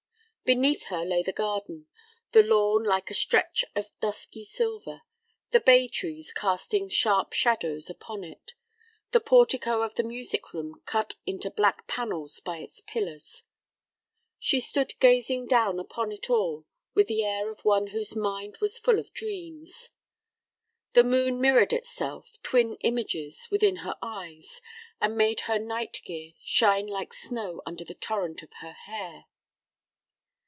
Beneath her lay the garden, the lawn like a stretch of dusky silver, the bay trees casting sharp shadows upon it, the portico of the music room cut into black panels by its pillars. She stood gazing down upon it all with the air of one whose mind was full of dreams. The moon mirrored itself, twin images, within her eyes, and made her night gear shine like snow under the torrent of her hair.